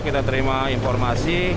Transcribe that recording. kita terima informasi